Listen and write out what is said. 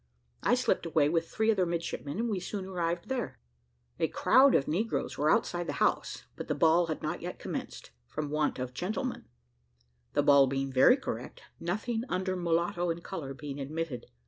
I slipped away with three other midshipmen, and we soon arrived there. A crowd of negroes were outside of the house; but the ball had not yet commenced, from the want of gentlemen, the ball being very correct, nothing under mulatto in colour being admitted.